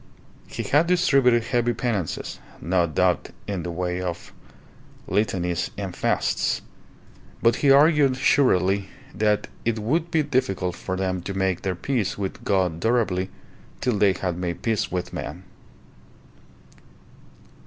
He had distributed heavy penances, no doubt in the way of litanies and fasts; but he argued shrewdly that it would be difficult for them to make their peace with God durably till they had made peace with men.